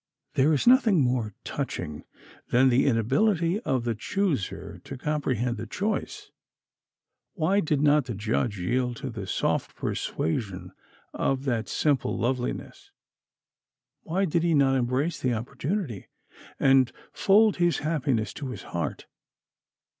There is nothing more touching than the inability of the chooser to comprehend the choice. Why did not the judge yield to the soft persuasion of that simple loveliness? Why did he not embrace the opportunity, and fold his happiness to his heart?